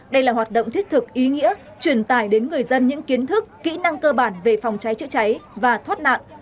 đây là hoạt động thiết thực ý nghĩa truyền tải đến người dân những kiến thức kỹ năng cơ bản về phòng cháy chữa cháy và thoát nạn